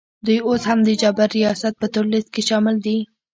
دوی اوس هم د جابر ریاست په تور لیست کي شامل دي